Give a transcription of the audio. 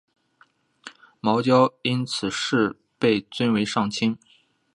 茅焦因此事被尊为上卿。